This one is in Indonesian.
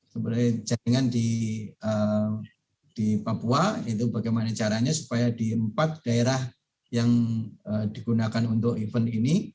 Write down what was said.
sebenarnya jaringan di papua itu bagaimana caranya supaya di empat daerah yang digunakan untuk event ini